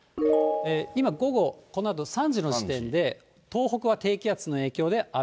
今、午後、このあと３時の時点で、東北は低気圧の影響で雨。